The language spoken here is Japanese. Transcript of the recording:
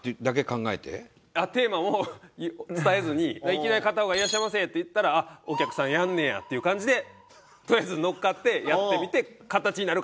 いきなり片方が「いらっしゃいませ」って言ったらあっお客さんやんねやっていう感じでとりあえず乗っかってやってみて形になるかどうかみたいな。